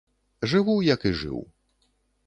Жыву, як і жыў.